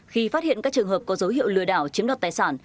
khi phát hiện các trường hợp có dấu hiệu lừa đảo chiếm đoạt tài sản